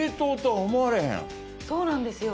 そうなんですよ。